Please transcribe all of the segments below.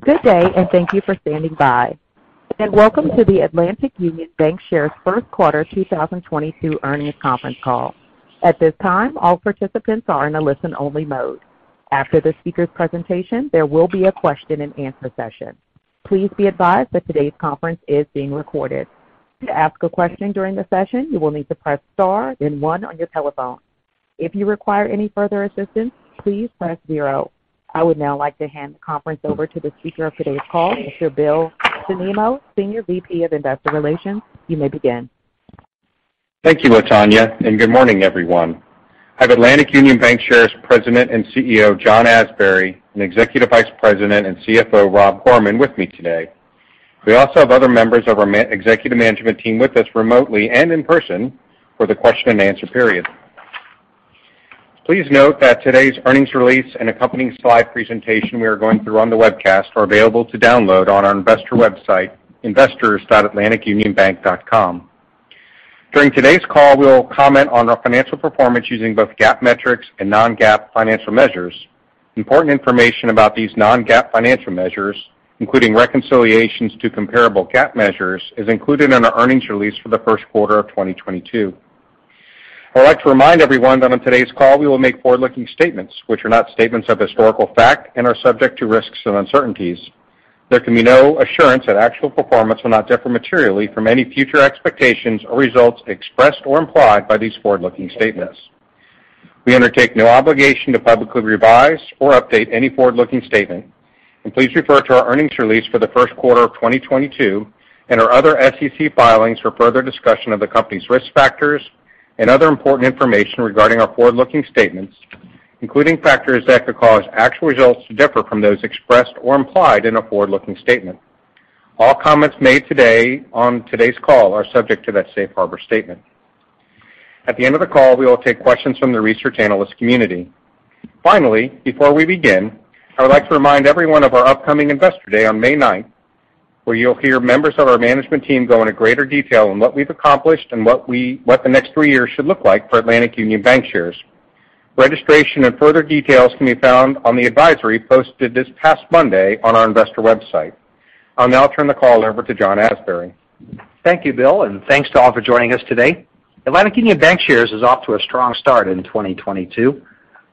Good day, and thank you for standing by, and welcome to the Atlantic Union Bankshares First Quarter 2022 Earnings Conference Call. At this time, all participants are in a listen-only mode. After the speaker's presentation, there will be a question-and-answer session. Please be advised that today's conference is being recorded. To ask a question during the session, you will need to press star, then 1 on your telephone. If you require any further assistance, please press 0. I would now like to hand the conference over to the speaker of today's call, Mr. Bill Cimino, Senior VP of Investor Relations. You may begin. Thank you, Latonya, and good morning, everyone. I have Atlantic Union Bankshares President and CEO, John Asbury, and Executive Vice President and CFO, Rob Gorman, with me today. We also have other members of our executive management team with us remotely and in person for the question-and-answer period. Please note that today's earnings release and accompanying slide presentation we are going through on the webcast are available to download on our investor website, investors.atlanticunionbank.com. During today's call, we will comment on our financial performance using both GAAP metrics and non-GAAP financial measures. Important information about these non-GAAP financial measures, including reconciliations to comparable GAAP measures, is included in our earnings release for the first quarter of 2022. I'd like to remind everyone that on today's call, we will make forward-looking statements, which are not statements of historical fact and are subject to risks and uncertainties. There can be no assurance that actual performance will not differ materially from any future expectations or results expressed or implied by these forward-looking statements. We undertake no obligation to publicly revise or update any forward-looking statement. Please refer to our earnings release for the first quarter of 2022 and our other SEC filings for further discussion of the company's risk factors and other important information regarding our forward-looking statements, including factors that could cause actual results to differ from those expressed or implied in a forward-looking statement. All comments made today on today's call are subject to that safe harbor statement. At the end of the call, we will take questions from the research analyst community. Finally, before we begin, I would like to remind everyone of our upcoming Investor Day on May ninth, where you'll hear members of our management team go into greater detail on what we've accomplished and what the next three years should look like for Atlantic Union Bankshares. Registration and further details can be found on the advisory posted this past Monday on our investor website. I'll now turn the call over to John Asbury. Thank you, Bill, and thanks to all for joining us today. Atlantic Union Bankshares is off to a strong start in 2022.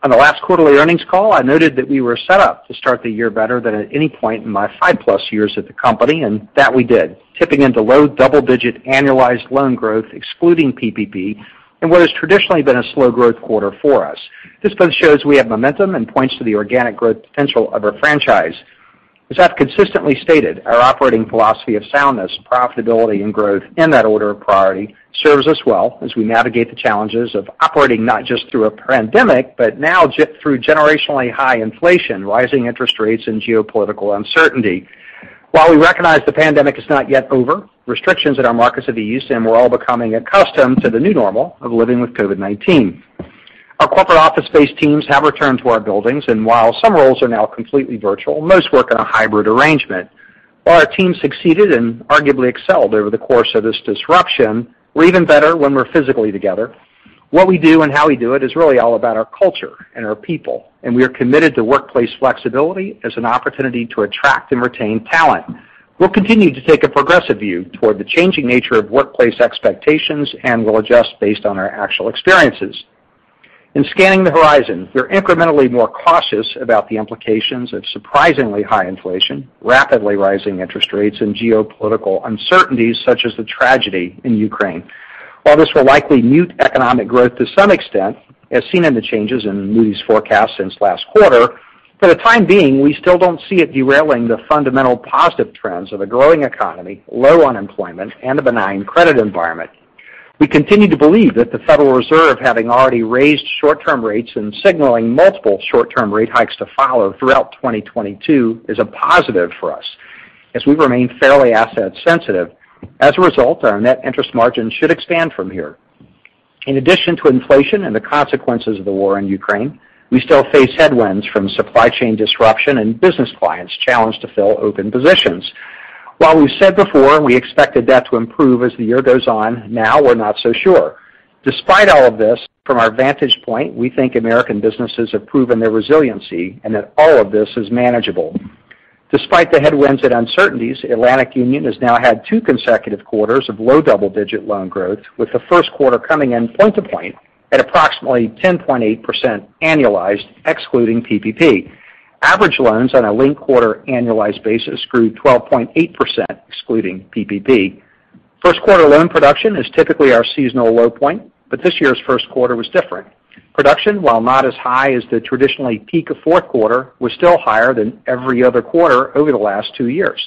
On the last quarterly earnings call, I noted that we were set up to start the year better than at any point in my 5+ years at the company, and that we did, tipping into low double-digit annualized loan growth, excluding PPP, and what has traditionally been a slow growth quarter for us. This both shows we have momentum and points to the organic growth potential of our franchise. As I've consistently stated, our operating philosophy of soundness, profitability and growth in that order of priority serves us well as we navigate the challenges of operating not just through a pandemic, but now through generationally high inflation, rising interest rates and geopolitical uncertainty. While we recognize the pandemic is not yet over, restrictions in our markets have eased, and we're all becoming accustomed to the new normal of living with COVID-19. Our corporate office-based teams have returned to our buildings, and while some roles are now completely virtual, most work in a hybrid arrangement. While our team succeeded and arguably excelled over the course of this disruption, we're even better when we're physically together. What we do and how we do it is really all about our culture and our people, and we are committed to workplace flexibility as an opportunity to attract and retain talent. We'll continue to take a progressive view toward the changing nature of workplace expectations, and we'll adjust based on our actual experiences. In scanning the horizon, we're incrementally more cautious about the implications of surprisingly high inflation, rapidly rising interest rates and geopolitical uncertainties such as the tragedy in Ukraine. While this will likely mute economic growth to some extent, as seen in the changes in Moody's forecast since last quarter, for the time being, we still don't see it derailing the fundamental positive trends of a growing economy, low unemployment, and a benign credit environment. We continue to believe that the Federal Reserve having already raised short-term rates and signaling multiple short-term rate hikes to follow throughout 2022 is a positive for us as we remain fairly asset sensitive. As a result, our net interest margin should expand from here. In addition to inflation and the consequences of the war in Ukraine, we still face headwinds from supply chain disruption and business clients challenged to fill open positions. While we've said before we expected that to improve as the year goes on, now we're not so sure. Despite all of this, from our vantage point, we think American businesses have proven their resiliency and that all of this is manageable. Despite the headwinds and uncertainties, Atlantic Union has now had two consecutive quarters of low double-digit loan growth, with the first quarter coming in point-to-point at approximately 10.8% annualized, excluding PPP. Average loans on a linked quarter annualized basis grew 12.8%, excluding PPP. First quarter loan production is typically our seasonal low point, but this year's first quarter was different. Production, while not as high as the traditional peak of fourth quarter, was still higher than every other quarter over the last two years.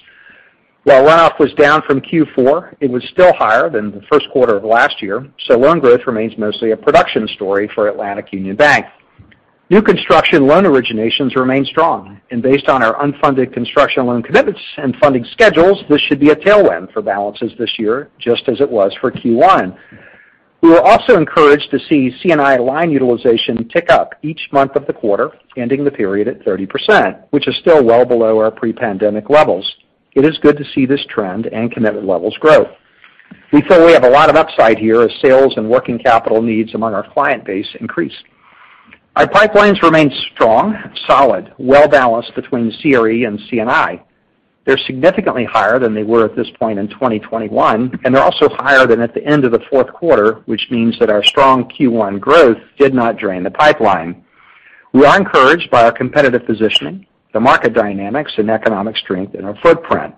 While runoff was down from Q4, it was still higher than the first quarter of last year, so loan growth remains mostly a production story for Atlantic Union Bank. New construction loan originations remain strong. Based on our unfunded construction loan commitments and funding schedules, this should be a tailwind for balances this year, just as it was for Q1. We were also encouraged to see C&I line utilization tick up each month of the quarter, ending the period at 30%, which is still well below our pre-pandemic levels. It is good to see this trend and commitment levels grow. We feel we have a lot of upside here as sales and working capital needs among our client base increase. Our pipelines remain strong, solid, well-balanced between CRE and C&I. They're significantly higher than they were at this point in 2021, and they're also higher than at the end of the fourth quarter, which means that our strong Q1 growth did not drain the pipeline. We are encouraged by our competitive positioning, the market dynamics and economic strength in our footprint.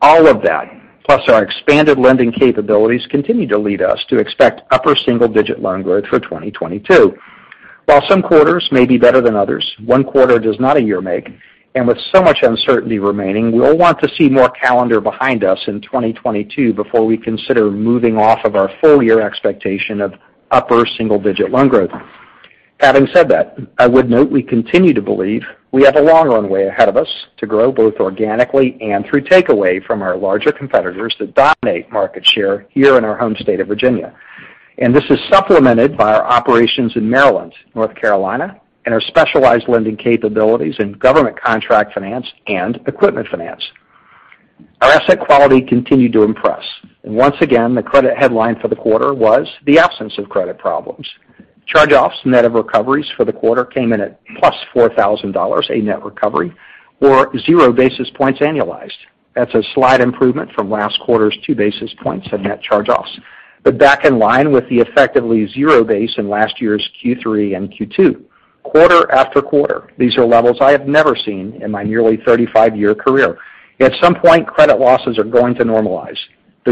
All of that, plus our expanded lending capabilities, continue to lead us to expect upper single-digit loan growth for 2022. While some quarters may be better than others, one quarter does not a year make. With so much uncertainty remaining, we'll want to see more calendar behind us in 2022 before we consider moving off of our full-year expectation of upper single-digit loan growth. Having said that, I would note we continue to believe we have a long runway ahead of us to grow, both organically and through takeaway from our larger competitors that dominate market share here in our home state of Virginia. This is supplemented by our operations in Maryland, North Carolina, and our specialized lending capabilities in government contract finance and equipment finance. Our asset quality continued to impress. Once again, the credit headline for the quarter was the absence of credit problems. Charge-offs net of recoveries for the quarter came in at +$4,000, a net recovery, or 0 basis points annualized. That's a slight improvement from last quarter's 2 basis points of net charge-offs, but back in line with the effectively zero base in last year's Q3 and Q2. Quarter after quarter, these are levels I have never seen in my nearly 35-year career. At some point, credit losses are going to normalize.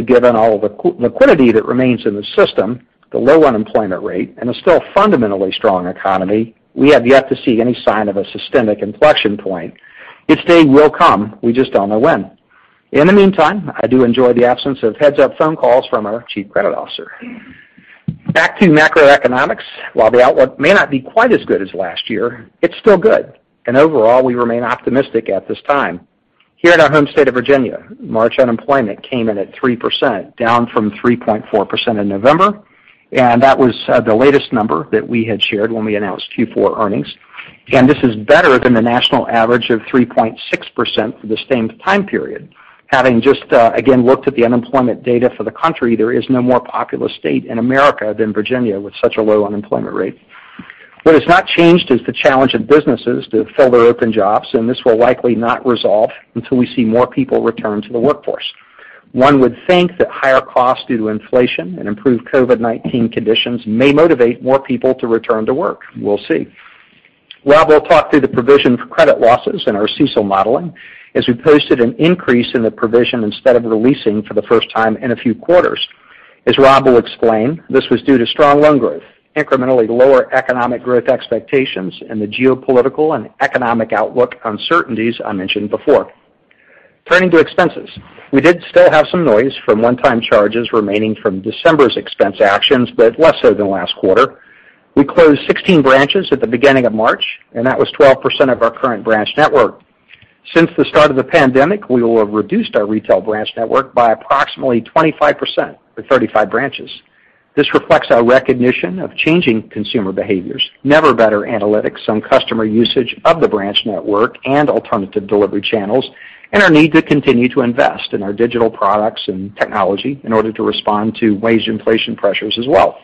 Given all the liquidity that remains in the system, the low unemployment rate, and a still fundamentally strong economy, we have yet to see any sign of a systemic inflection point. Its day will come. We just don't know when. In the meantime, I do enjoy the absence of heads-up phone calls from our chief credit officer. Back to macroeconomics. While the outlook may not be quite as good as last year, it's still good. Overall, we remain optimistic at this time. Here in our home state of Virginia, March unemployment came in at 3%, down from 3.4% in November, and that was the latest number that we had shared when we announced Q4 earnings. This is better than the national average of 3.6% for the same time period. Having just again looked at the unemployment data for the country, there is no more populous state in America than Virginia with such a low unemployment rate. What has not changed is the challenge of businesses to fill their open jobs, and this will likely not resolve until we see more people return to the workforce. One would think that higher costs due to inflation and improved COVID-19 conditions may motivate more people to return to work. We'll see. Rob will talk through the provision for credit losses in our CECL modeling, as we posted an increase in the provision instead of releasing for the first time in a few quarters. As Rob will explain, this was due to strong loan growth, incrementally lower economic growth expectations, and the geopolitical and economic outlook uncertainties I mentioned before. Turning to expenses, we did still have some noise from one-time charges remaining from December's expense actions, but less so than last quarter. We closed 16 branches at the beginning of March, and that was 12% of our current branch network. Since the start of the pandemic, we will have reduced our retail branch network by approximately 25%, or 35 branches. This reflects our recognition of changing consumer behaviors and better analytics on customer usage of the branch network and alternative delivery channels, and our need to continue to invest in our digital products and technology in order to respond to wage inflation pressures as well.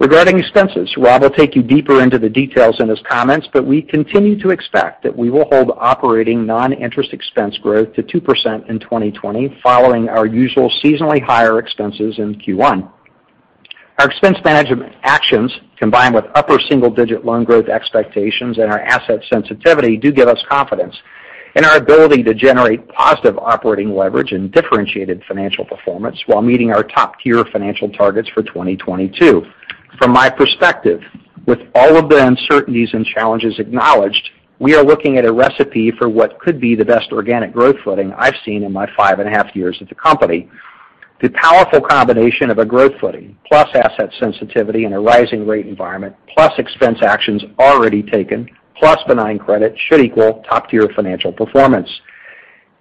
Regarding expenses, Rob will take you deeper into the details in his comments, but we continue to expect that we will hold operating non-interest expense growth to 2% in 2020, following our usual seasonally higher expenses in Q1. Our expense management actions, combined with upper single-digit loan growth expectations and our asset sensitivity, do give us confidence in our ability to generate positive operating leverage and differentiated financial performance while meeting our top-tier financial targets for 2022. From my perspective, with all of the uncertainties and challenges acknowledged, we are looking at a recipe for what could be the best organic growth footing I've seen in my 5 and a half years at the company. The powerful combination of a growth footing plus asset sensitivity in a rising rate environment, plus expense actions already taken, plus benign credit should equal top-tier financial performance.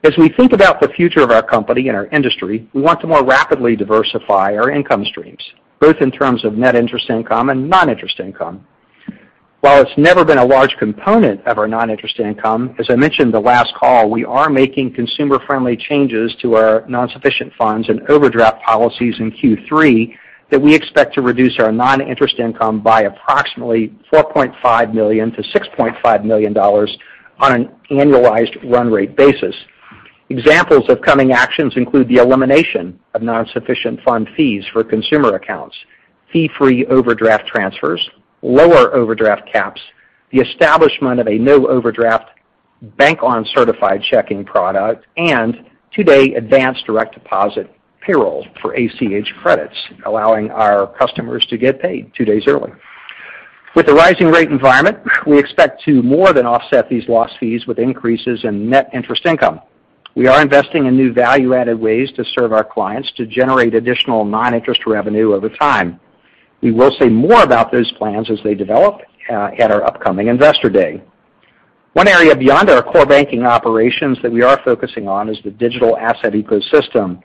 As we think about the future of our company and our industry, we want to more rapidly diversify our income streams, both in terms of net interest income and non-interest income. While it's never been a large component of our non-interest income, as I mentioned the last call, we are making consumer-friendly changes to our non-sufficient funds and overdraft policies in Q3 that we expect to reduce our non-interest income by approximately $4.5 million-$6.5 million on an annualized run rate basis. Examples of coming actions include the elimination of non-sufficient fund fees for consumer accounts, fee-free overdraft transfers, lower overdraft caps, the establishment of a no-overdraft bank-owned certified checking product, and 2-day advance direct deposit payroll for ACH credits, allowing our customers to get paid two days early. With the rising rate environment, we expect to more than offset these lost fees with increases in net interest income. We are investing in new value-added ways to serve our clients to generate additional non-interest revenue over time. We will say more about those plans as they develop at our upcoming Investor Day. One area beyond our core banking operations that we are focusing on is the digital asset ecosystem.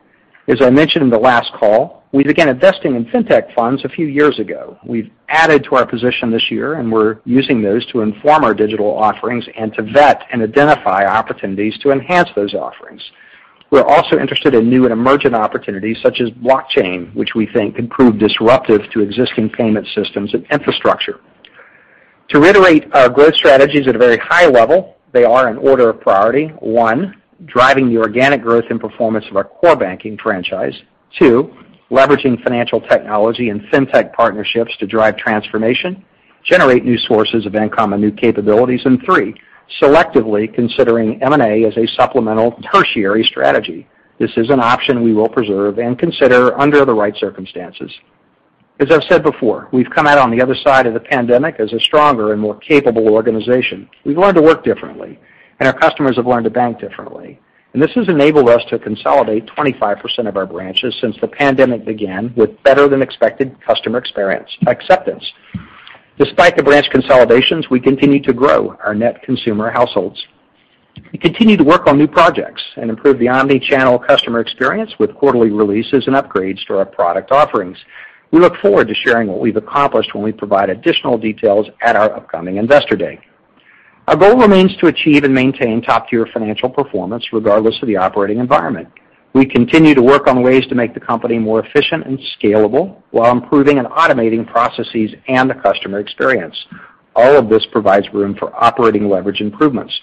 As I mentioned in the last call, we began investing in fintech funds a few years ago. We've added to our position this year, and we're using those to inform our digital offerings and to vet and identify opportunities to enhance those offerings. We're also interested in new and emerging opportunities such as blockchain, which we think could prove disruptive to existing payment systems and infrastructure. To reiterate our growth strategies at a very high level, they are in order of priority. One, driving the organic growth and performance of our core banking franchise. Two, leveraging financial technology and fintech partnerships to drive transformation, generate new sources of income and new capabilities. Three, selectively considering M&A as a supplemental tertiary strategy. This is an option we will preserve and consider under the right circumstances. As I've said before, we've come out on the other side of the pandemic as a stronger and more capable organization. We've learned to work differently, and our customers have learned to bank differently. This has enabled us to consolidate 25% of our branches since the pandemic began with better-than-expected customer experience acceptance. Despite the branch consolidations, we continue to grow our net consumer households. We continue to work on new projects and improve the omni-channel customer experience with quarterly releases and upgrades to our product offerings. We look forward to sharing what we've accomplished when we provide additional details at our upcoming Investor Day. Our goal remains to achieve and maintain top-tier financial performance regardless of the operating environment. We continue to work on ways to make the company more efficient and scalable while improving and automating processes and the customer experience. All of this provides room for operating leverage improvements.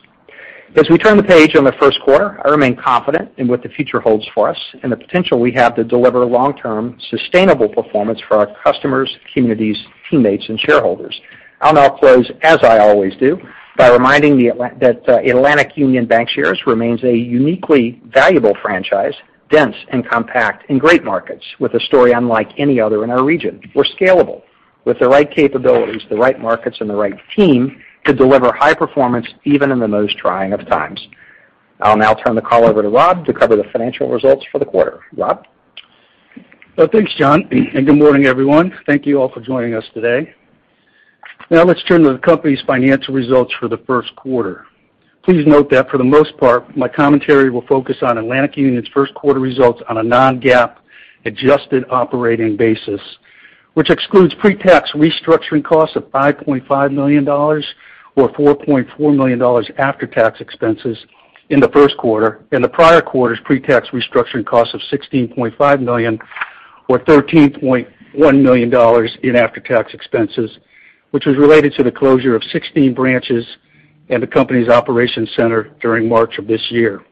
As we turn the page on the first quarter, I remain confident in what the future holds for us and the potential we have to deliver long-term sustainable performance for our customers, communities, teammates, and shareholders. I'll now close, as I always do, by reminding that Atlantic Union Bankshares remains a uniquely valuable franchise, dense and compact in great markets, with a story unlike any other in our region. We're scalable with the right capabilities, the right markets, and the right team to deliver high performance even in the most trying of times. I'll now turn the call over to Rob to cover the financial results for the quarter. Rob? Well, thanks, John, and good morning, everyone. Thank you all for joining us today. Now let's turn to the company's financial results for the first quarter. Please note that for the most part, my commentary will focus on Atlantic Union's first quarter results on a non-GAAP adjusted operating basis, which excludes pre-tax restructuring costs of $5.5 million or $4.4 million after-tax expenses in the first quarter and the prior quarter's pre-tax restructuring costs of $16.5 million or $13.1 million in after-tax expenses, which was related to the closure of 16 branches and the company's operations center during March of this year.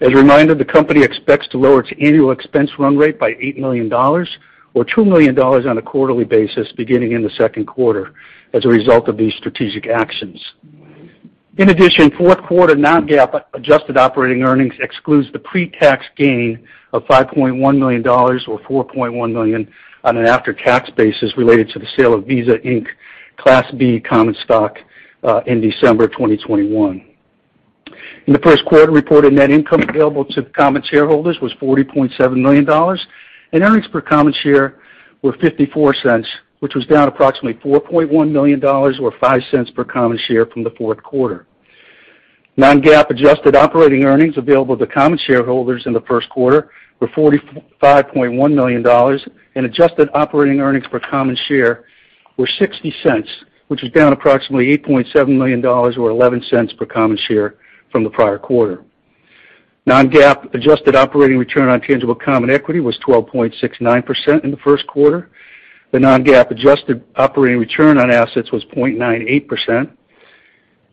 As a reminder, the company expects to lower its annual expense run rate by $8 million or $2 million on a quarterly basis beginning in the second quarter as a result of these strategic actions. In addition, fourth quarter non-GAAP adjusted operating earnings excludes the pre-tax gain of $5.1 million or $4.1 million on an after-tax basis related to the sale of Visa Inc. Class B common stock in December 2021. In the first quarter, reported net income available to common shareholders was $40.7 million, and earnings per common share were $0.54, which was down approximately $4.1 million or $0.05 per common share from the fourth quarter. Non-GAAP adjusted operating earnings available to common shareholders in the first quarter were $45.1 million, and adjusted operating earnings per common share were $0.60, which was down approximately $8.7 million or $0.11 per common share from the prior quarter. Non-GAAP adjusted operating return on tangible common equity was 12.69% in the first quarter. The non-GAAP adjusted operating return on assets was 0.98%,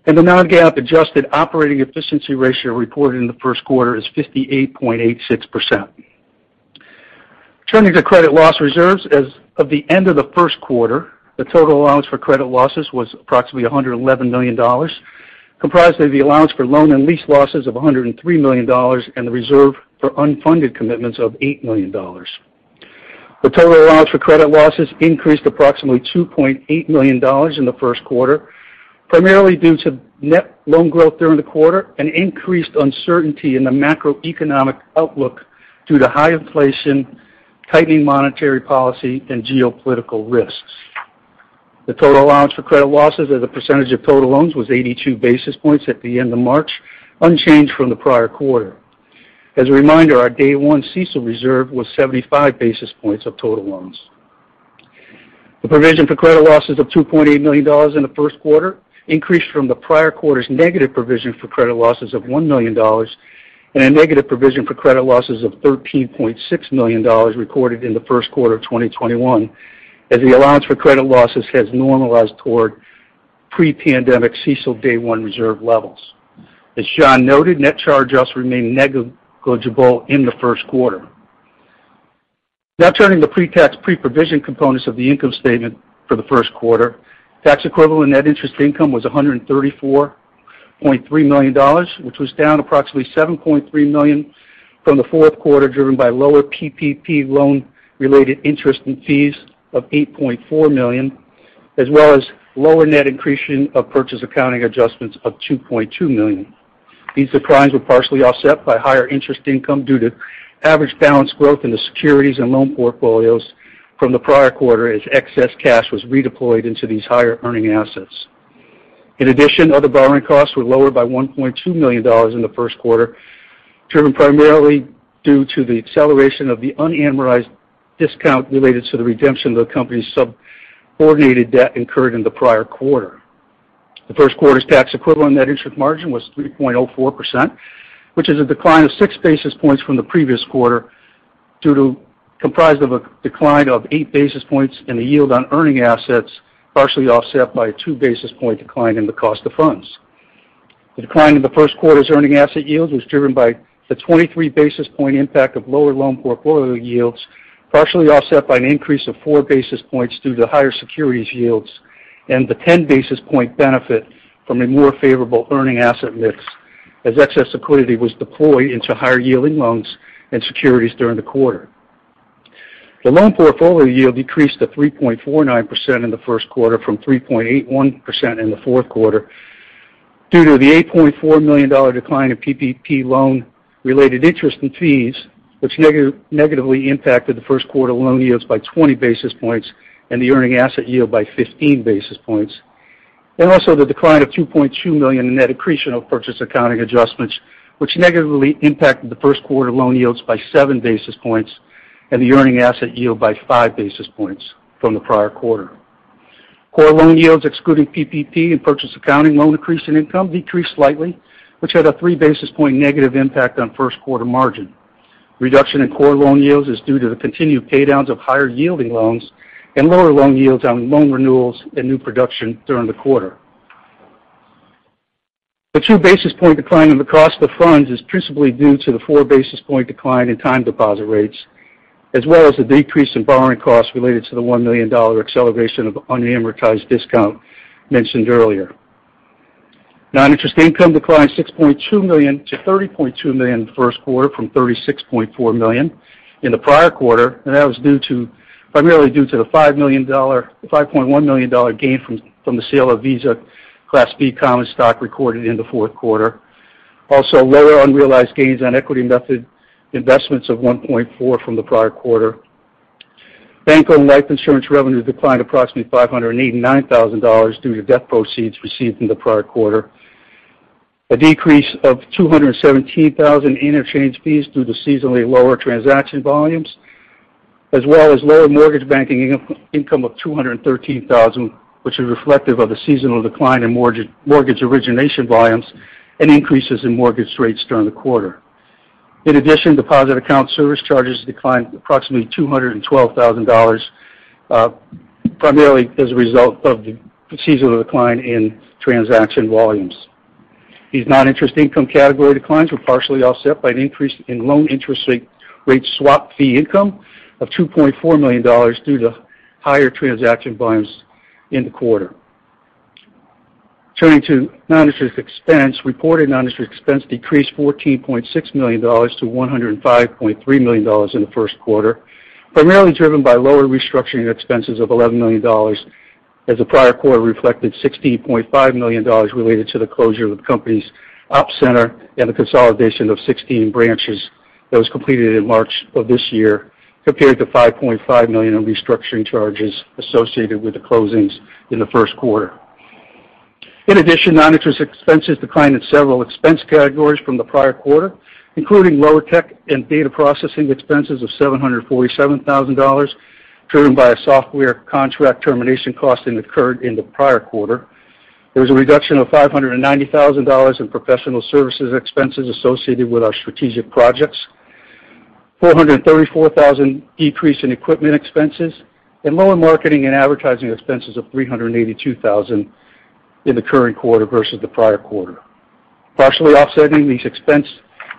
and the non-GAAP adjusted operating efficiency ratio reported in the first quarter is 58.86%. Turning to credit loss reserves, as of the end of the first quarter, the total allowance for credit losses was approximately $111 million, comprised of the allowance for loan and lease losses of $103 million and the reserve for unfunded commitments of $8 million. The total allowance for credit losses increased approximately $2.8 million in the first quarter, primarily due to net loan growth during the quarter and increased uncertainty in the macroeconomic outlook due to high inflation, tightening monetary policy, and geopolitical risks. The total allowance for credit losses as a percentage of total loans was 82 basis points at the end of March, unchanged from the prior quarter. As a reminder, our day one CECL reserve was 75 basis points of total loans. The provision for credit losses of $2.8 million in the first quarter increased from the prior quarter's negative provision for credit losses of $1 million and a negative provision for credit losses of $13.6 million recorded in the first quarter of 2021, as the allowance for credit losses has normalized toward pre-pandemic CECL day one reserve levels. As John noted, net charge-offs remained negligible in the first quarter. Now turning to pre-tax, pre-provision components of the income statement for the first quarter. Tax-equivalent net interest income was $134.3 million, which was down approximately $7.3 million from the fourth quarter, driven by lower PPP loan-related interest and fees of $8.4 million, as well as lower net accretion of purchase accounting adjustments of $2.2 million. These declines were partially offset by higher interest income due to average balance growth in the securities and loan portfolios from the prior quarter as excess cash was redeployed into these higher-earning assets. In addition, other borrowing costs were lower by $1.2 million in the first quarter, driven primarily due to the acceleration of the unamortized discount related to the redemption of the company's subordinated debt incurred in the prior quarter. The first quarter's tax-equivalent net interest margin was 3.04%, which is a decline of six basis points from the previous quarter due to, comprised of a decline of eight basis points in the yield on earning assets, partially offset by two basis point decline in the cost of funds. The decline in the first quarter's earning asset yield was driven by the 23 basis point impact of lower loan portfolio yields, partially offset by an increase of four basis points due to higher securities yields and the 10 basis point benefit from a more favorable earning asset mix as excess liquidity was deployed into higher yielding loans and securities during the quarter. The loan portfolio yield decreased to 3.49% in the first quarter from 3.81% in the fourth quarter due to the $8.4 million decline in PPP loan related interest and fees, which negatively impacted the first quarter loan yields by 20 basis points and the earning asset yield by 15 basis points. Also the decline of $2.2 million in net accretion of purchase accounting adjustments, which negatively impacted the first quarter loan yields by seven basis points and the earning asset yield by five basis points from the prior quarter. Core loan yields excluding PPP and purchase accounting loan discount income decreased slightly, which had a three basis point negative impact on first quarter margin. Reduction in core loan yields is due to the continued pay downs of higher yielding loans and lower loan yields on loan renewals and new production during the quarter. The two basis point decline in the cost of funds is principally due to the four basis point decline in time deposit rates, as well as the decrease in borrowing costs related to the $1 million acceleration of unamortized discount mentioned earlier. Non-interest income declined $6.2 million-$30.2 million in the first quarter from $36.4 million in the prior quarter, primarily due to the $5.1 million gain from the sale of Visa Class B common stock recorded in the fourth quarter. Also, lower unrealized gains on equity method investments of $1.4 million from the prior quarter. Bank-owned life insurance revenues declined approximately $589,000 due to death proceeds received in the prior quarter. A decrease of $217,000 interchange fees due to seasonally lower transaction volumes, as well as lower mortgage banking income of $213,000, which is reflective of a seasonal decline in mortgage origination volumes and increases in mortgage rates during the quarter. In addition, deposit account service charges declined approximately $212,000, primarily as a result of the seasonal decline in transaction volumes. These non-interest income category declines were partially offset by an increase in loan interest rate swap fee income of $2.4 million due to higher transaction volumes in the quarter. Turning to non-interest expense. Reported non-interest expense decreased $14.6 million-$105.3 million in the first quarter, primarily driven by lower restructuring expenses of $11 million, as the prior quarter reflected $16.5 million related to the closure of the company's ops center and the consolidation of 16 branches that was completed in March of this year, compared to $5.5 million in restructuring charges associated with the closings in the first quarter. In addition, non-interest expenses declined in several expense categories from the prior quarter, including lower tech and data processing expenses of $747,000, driven by a software contract termination cost that occurred in the prior quarter. There was a reduction of $590,000 in professional services expenses associated with our strategic projects, $434,000 decrease in equipment expenses and lower marketing and advertising expenses of $382,000 in the current quarter versus the prior quarter. Partially offsetting these expense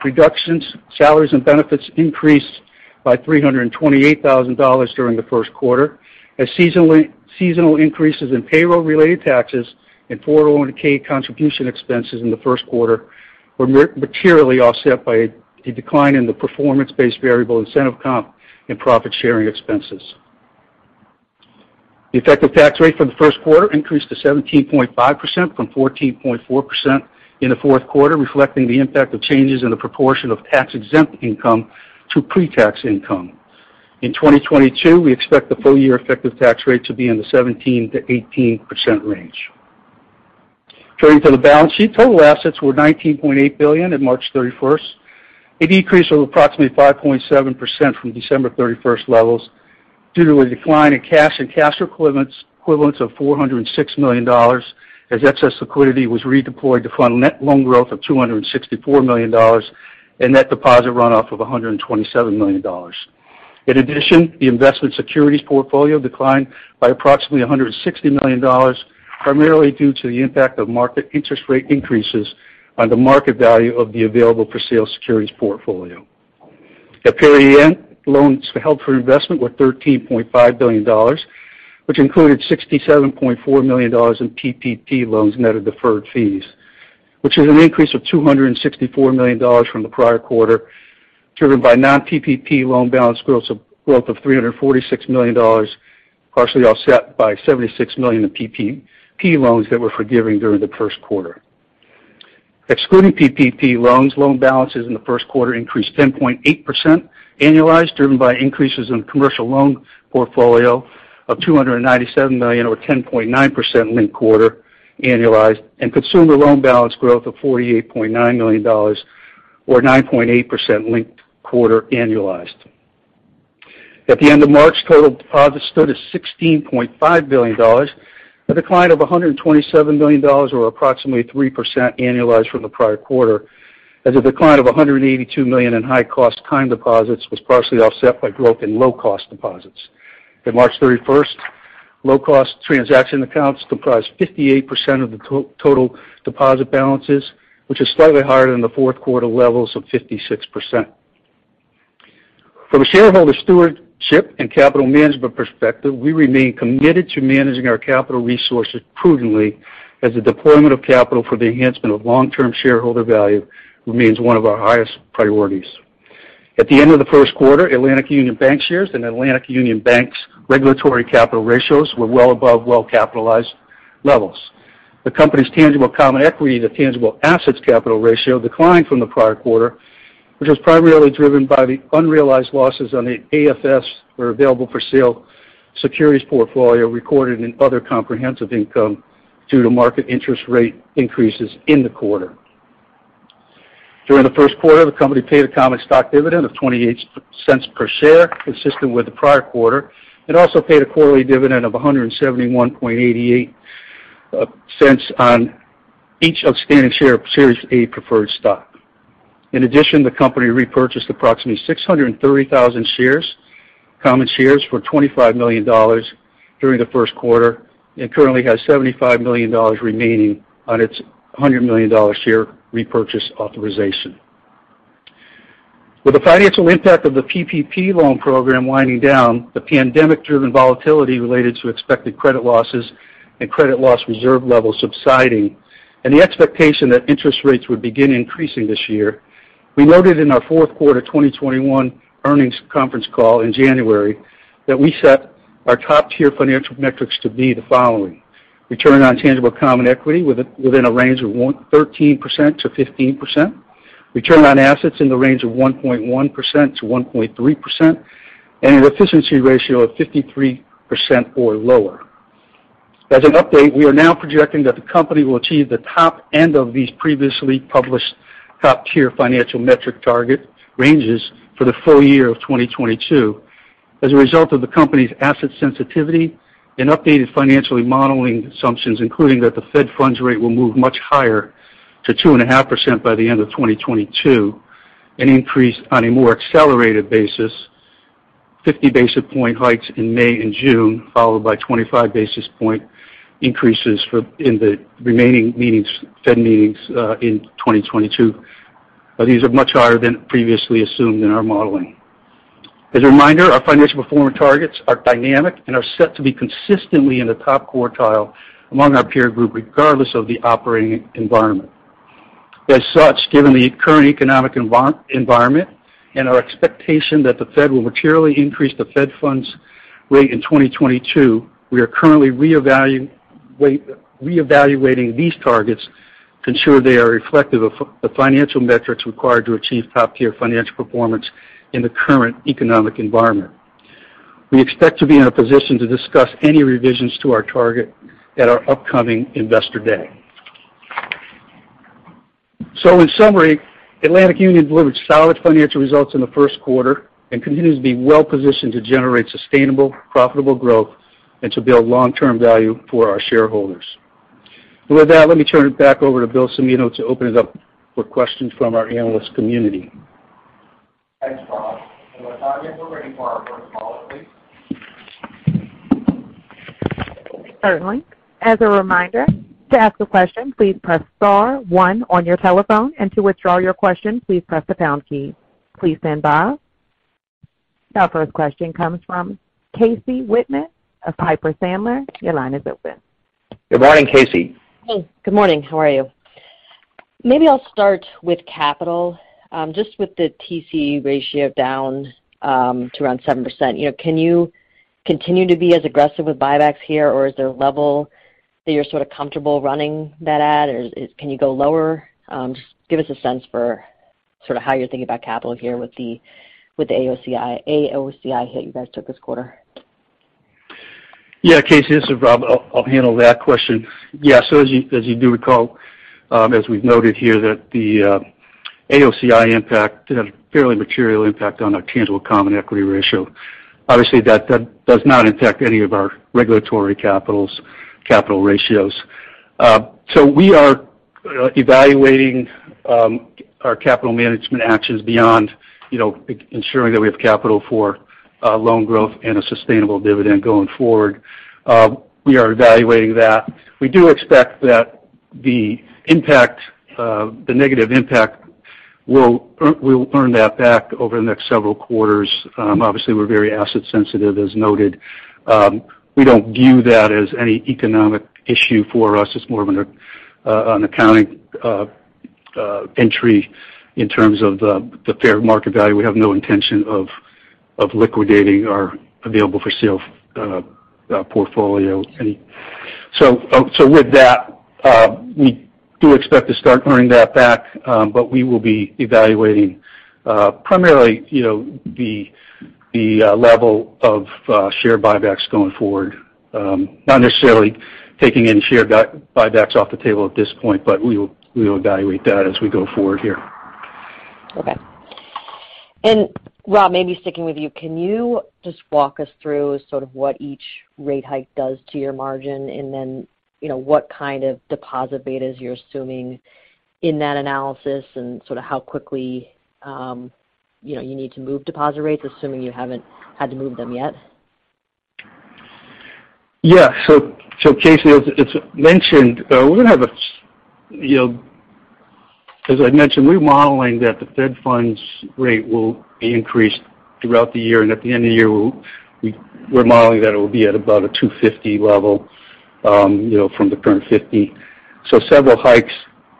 reductions, salaries and benefits increased by $328,000 during the first quarter as seasonal increases in payroll-related taxes and 401 contribution expenses in the first quarter were materially offset by a decline in the performance-based variable incentive comp and profit sharing expenses. The effective tax rate for the first quarter increased to 17.5% from 14.4% in the fourth quarter, reflecting the impact of changes in the proportion of tax-exempt income to pre-tax income. In 2022, we expect the full year effective tax rate to be in the 17%-18% range. Turning to the balance sheet. Total assets were $19.8 billion in March 31st. A decrease of approximately 5.7% from December 31st levels due to a decline in cash and cash equivalents of $406 million as excess liquidity was redeployed to fund net loan growth of $264 million and net deposit runoff of $127 million. In addition, the investment securities portfolio declined by approximately $160 million, primarily due to the impact of market interest rate increases on the market value of the available for sale securities portfolio. At period end, loans held for investment were $13.5 billion, which included $67.4 million in PPP loans, net of deferred fees, which is an increase of $264 million from the prior quarter, driven by non-PPP loan balance growth of $346 million, partially offset by $76 million in PPP loans that were forgiven during the first quarter. Excluding PPP loans, loan balances in the first quarter increased 10.8% annualized, driven by increases in commercial loan portfolio of $297 million or 10.9% linked quarter annualized and consumer loan balance growth of $48.9 million or 9.8% linked quarter annualized. At the end of March, total deposits stood at $16.5 billion, a decline of $127 million or approximately 3% annualized from the prior quarter, as a decline of $182 million in high-cost time deposits was partially offset by growth in low-cost deposits. At March 31st, low-cost transaction accounts comprised 58% of the total deposit balances, which is slightly higher than the fourth quarter levels of 56%. From a shareholder stewardship and capital management perspective, we remain committed to managing our capital resources prudently as the deployment of capital for the enhancement of long-term shareholder value remains one of our highest priorities. At the end of the first quarter, Atlantic Union Bankshares and Atlantic Union Bank's regulatory capital ratios were well above well-capitalized levels. The company's tangible common equity to tangible assets capital ratio declined from the prior quarter, which was primarily driven by the unrealized losses on the AFS or available for sale securities portfolio recorded in other comprehensive income due to market interest rate increases in the quarter. During the first quarter, the company paid a common stock dividend of $0.28 per share, consistent with the prior quarter. It also paid a quarterly dividend of $1.7188 on each outstanding share of Series A preferred stock. In addition, the company repurchased approximately 630,000 shares, common shares for $25 million during the first quarter and currently has $75 million remaining on its $100 million share repurchase authorization. With the financial impact of the PPP loan program winding down, the pandemic-driven volatility related to expected credit losses and credit loss reserve levels subsiding, and the expectation that interest rates would begin increasing this year, we noted in our fourth quarter 2021 earnings conference call in January that we set our top-tier financial metrics to be the following: return on tangible common equity within a range of 13%-15%, return on assets in the range of 1.1%-1.3%, and an efficiency ratio of 53% or lower. As an update, we are now projecting that the company will achieve the top end of these previously published top-tier financial metric target ranges for the full year of 2022. As a result of the company's asset sensitivity and updated financial modeling assumptions, including that the Fed funds rate will move much higher to 2.5% by the end of 2022 and increase on a more accelerated basis, 50 basis point hikes in May and June, followed by 25 basis point increases in the remaining meetings, Fed meetings, in 2022. These are much higher than previously assumed in our modeling. As a reminder, our financial performance targets are dynamic and are set to be consistently in the top quartile among our peer group, regardless of the operating environment. As such, given the current economic environment and our expectation that the Fed will materially increase the Fed funds rate in 2022, we are currently reevaluating these targets to ensure they are reflective of financial metrics required to achieve top-tier financial performance in the current economic environment. We expect to be in a position to discuss any revisions to our target at our upcoming Investor Day. In summary, Atlantic Union delivered solid financial results in the first quarter and continues to be well-positioned to generate sustainable, profitable growth and to build long-term value for our shareholders. With that, let me turn it back over to Bill Cimino to open it up for questions from our analyst community. Thanks, Rob. Latonya, we're ready for our first caller, please. Certainly. As a reminder, to ask a question, please press star one on your telephone, and to withdraw your question, please press the pound key. Please stand by. Our first question comes from Casey Whitman of Piper Sandler. Your line is open. Good morning, Casey. Hey, good morning. How are you? Maybe I'll start with capital. Just with the TCE ratio down to around 7%, you know, can you continue to be as aggressive with buybacks here, or is there a level that you're sort of comfortable running that at, or can you go lower? Just give us a sense for sort of how you're thinking about capital here with the AOCI hit you guys took this quarter. Yeah, Casey, this is Rob. I'll handle that question. Yeah. So as you do recall, as we've noted here that the AOCI impact had a fairly material impact on our tangible common equity ratio. Obviously, that does not impact any of our regulatory capital ratios. So we are evaluating our capital management actions beyond, you know, ensuring that we have capital for loan growth and a sustainable dividend going forward. We are evaluating that. We do expect that the negative impact we'll earn that back over the next several quarters. Obviously, we're very asset sensitive, as noted. We don't view that as any economic issue for us. It's more of an accounting entry in terms of the fair market value. We have no intention of liquidating our available for sale portfolio. With that, we do expect to start earning that back, but we will be evaluating primarily, you know, the level of share buybacks going forward. Not necessarily taking any share buybacks off the table at this point, but we will evaluate that as we go forward here. Okay. Rob, maybe sticking with you, can you just walk us through sort of what each rate hike does to your margin, and then, you know, what kind of deposit betas you're assuming in that analysis and sort of how quickly, you know, you need to move deposit rates, assuming you haven't had to move them yet? Yeah. Casey, as mentioned, as I mentioned, we're modeling that the Fed funds rate will be increased throughout the year, and at the end of the year, we're modeling that it will be at about a 2.50 level, you know, from the current 0.50. Several hikes.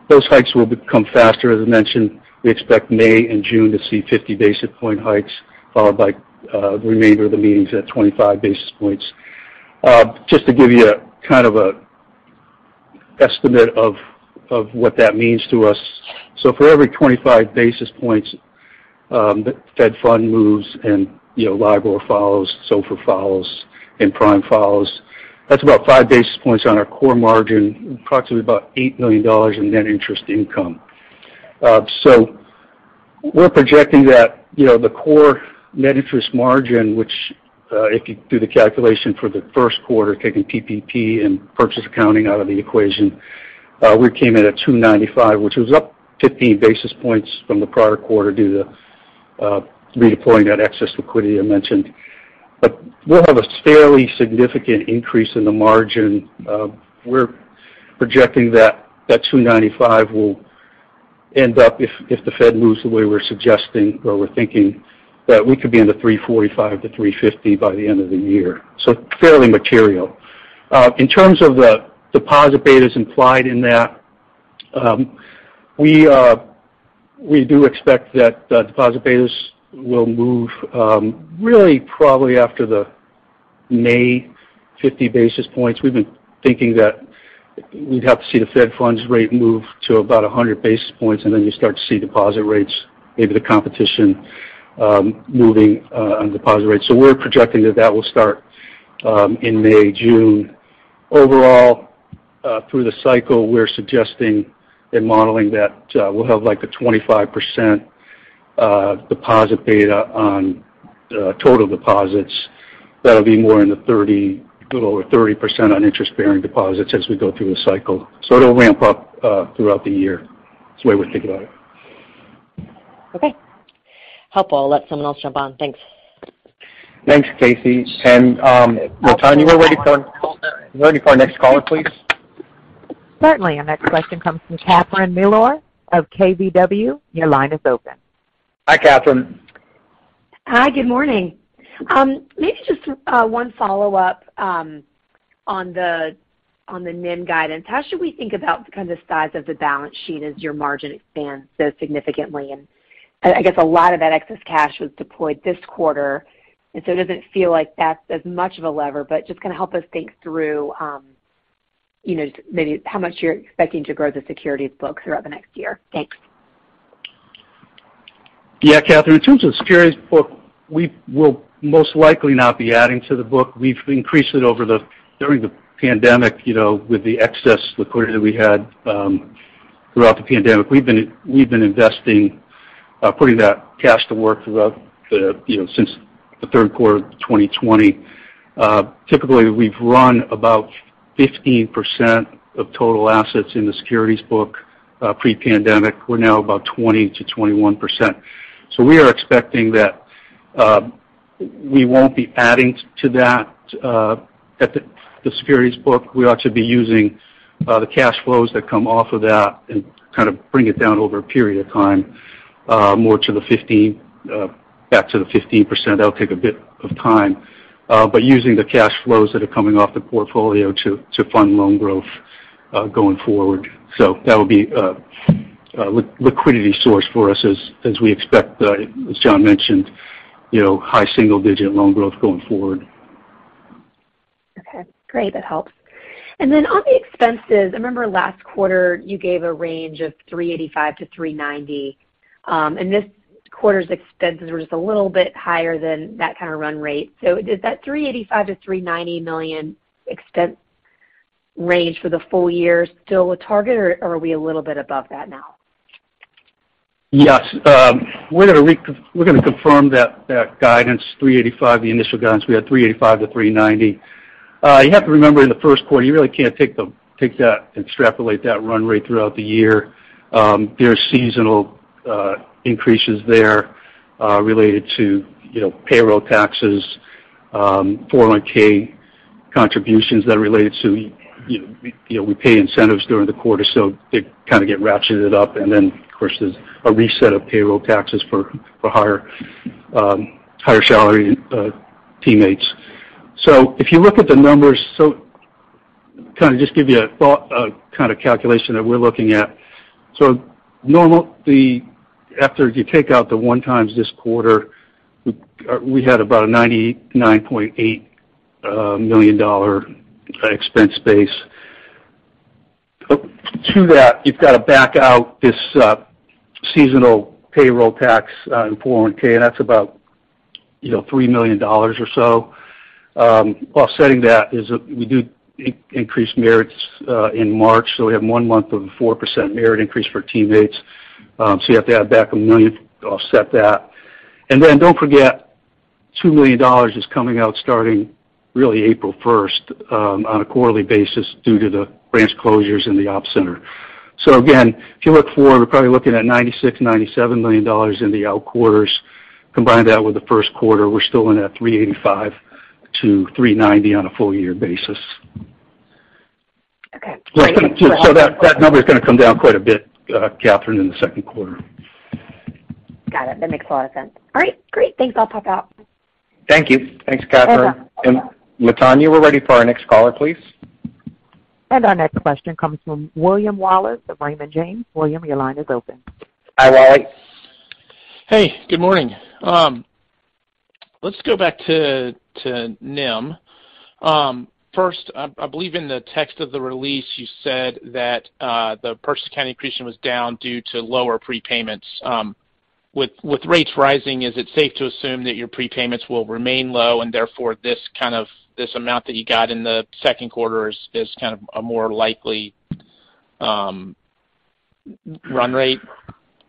Those hikes will become faster, as I mentioned. We expect May and June to see 50 basis point hikes, followed by remainder of the meetings at 25 basis points. Just to give you a kind of an estimate of what that means to us. For every 25 basis points, the Fed funds rate moves and, you know, LIBOR follows, SOFR follows, and Prime follows. That's about five basis points on our core margin, approximately $8 million in net interest income. We're projecting that, you know, the core net interest margin, which, if you do the calculation for the first quarter, taking PPP and purchase accounting out of the equation, we came in at 2.95%, which was up 15 basis points from the prior quarter due to redeploying that excess liquidity I mentioned. We'll have a fairly significant increase in the margin. We're projecting that 2.95% will end up if the Fed moves the way we're suggesting or we're thinking that we could be into 3.45%-3.50% by the end of the year. Fairly material. In terms of the deposit betas implied in that, we do expect that the deposit betas will move, really probably after the May 50 basis points. We've been thinking that we'd have to see the Fed funds rate move to about 100 basis points, and then you start to see deposit rates, maybe the competition, moving on deposit rates. We're projecting that will start in May, June. Overall, through the cycle, we're suggesting and modeling that we'll have, like, a 25% deposit beta on total deposits. That'll be more in the 30, a little over 30% on interest-bearing deposits as we go through the cycle. It'll ramp up throughout the year. That's the way we think about it. Okay. Helpful. I'll let someone else jump on. Thanks. Thanks, Casey. Latonya, we're ready for our next caller, please. Certainly. Our next question comes from Catherine Mealor of KBW. Your line is open. Hi, Catherine. Hi, good morning. Maybe just one follow-up on the NIM guidance. How should we think about kind of the size of the balance sheet as your margin expands so significantly? I guess a lot of that excess cash was deployed this quarter, and so it doesn't feel like that's as much of a lever, but just kind of help us think through you know, maybe how much you're expecting to grow the securities book throughout the next year. Thanks. Yeah, Catherine. In terms of securities book, we will most likely not be adding to the book. We've increased it during the pandemic, you know, with the excess liquidity that we had throughout the pandemic. We've been investing, putting that cash to work throughout the, you know, since the third quarter of 2020. Typically, we've run about 15% of total assets in the securities book pre-pandemic. We're now about 20%-21%. We are expecting that we won't be adding to that at the securities book. We ought to be using the cash flows that come off of that and kind of bring it down over a period of time more to the 15% back to the 15%. That'll take a bit of time. Using the cash flows that are coming off the portfolio to fund loan growth going forward. That would be a liquidity source for us as we expect, as John mentioned, you know, high single digit loan growth going forward. Okay. Great. That helps. Then on the expenses, I remember last quarter you gave a range of $385 million-$390 million. This quarter's expenses were just a little bit higher than that kind of run rate. Is that $385 million-$390 million expense range for the full year still a target, or are we a little bit above that now? Yes. We're gonna confirm that guidance, 385, the initial guidance. We had 385-390. You have to remember in the first quarter, you really can't take that, extrapolate that run rate throughout the year. There are seasonal increases there related to, you know, payroll taxes, 401(k) contributions that are related to, you know, we pay incentives during the quarter, so they kind of get ratcheted up. Then of course there's a reset of payroll taxes for higher salary teammates. If you look at the numbers, kind of just give you a thought, a kind of calculation that we're looking at. Normally, after you take out the one-time this quarter, we had about a $99.8 million expense base. To that, you've got to back out this seasonal payroll tax and 400,000, and that's about $3 million or so. You know, offsetting that is we do merit increases in March, so we have one month of a 4% merit increase for teammates. You have to add back $1 million to offset that. Don't forget, $2 million is coming out starting really April first, on a quarterly basis due to the branch closures in the ops center. Again, if you look forward, we're probably looking at $96-$97 million in the outer quarters. Combine that with the first quarter, we're still in that 385-390 on a full year basis. Okay. That number is gonna come down quite a bit, Catherine, in the second quarter. Got it. That makes a lot of sense. All right, great. Thanks. I'll pop out. Thank you. Thanks, Catherine. You're welcome. Latonya, we're ready for our next caller, please. Our next question comes from Wally Wallace of Raymond James. Wally, your line is open. Hi, Wally. Hey, good morning. Let's go back to NIM. First, I believe in the text of the release, you said that the purchase accounting accretion was down due to lower prepayments. With rates rising, is it safe to assume that your prepayments will remain low, and therefore this kind of this amount that you got in the second quarter is kind of a more likely run rate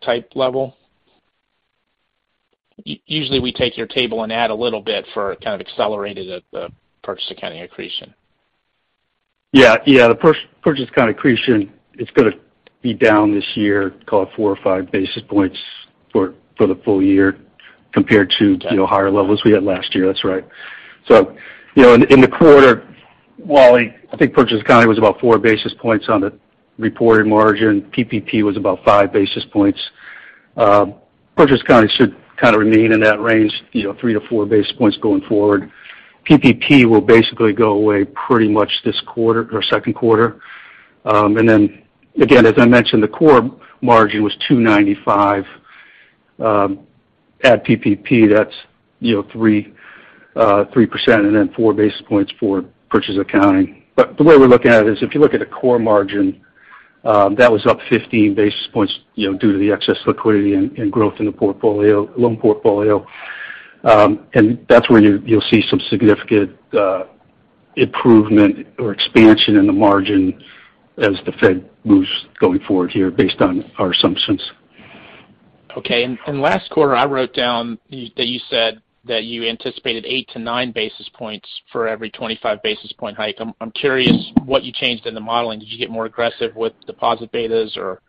type level? Usually, we take your table and add a little bit for kind of accelerated the purchase accounting accretion. Yeah. The purchase accounting accretion, it's gonna be down this year, call it four or five basis points for the full year compared to- Okay. You know, higher levels we had last year. That's right. You know, in the quarter, Wally, I think purchase accounting was about four basis points on the reported margin. PPP was about 5 basis points. Purchase accounting should kind of remain in that range, you know, three to four basis points going forward. PPP will basically go away pretty much this quarter or second quarter. And then again, as I mentioned, the core margin was 2.95. Add PPP, that's, you know, 3% and then four basis points for purchase accounting. But the way we're looking at it is if you look at a core margin, that was up 15 basis points, you know, due to the excess liquidity and growth in the portfolio, loan portfolio. That's where you'll see some significant improvement or expansion in the margin as the Fed moves going forward here based on our assumptions. Okay. Last quarter, I wrote down that you said that you anticipated eight to nine basis points for every 25 basis point hike. I'm curious what you changed in the modeling. Did you get more aggressive with deposit betas or-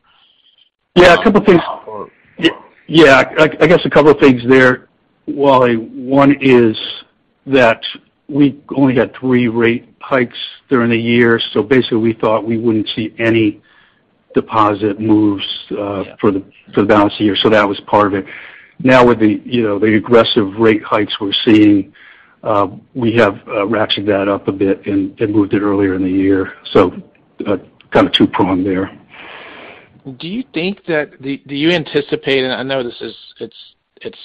Yeah, a couple things. Or- Yeah. I guess a couple of things there, Wally. One is that we only had three rate hikes during the year, so basically we thought we wouldn't see any deposit moves. Yeah. For the balance of the year, so that was part of it. Now, with you know the aggressive rate hikes we're seeing, we have ratcheted that up a bit and moved it earlier in the year. Kind of two-pronged there. Do you anticipate? I know it's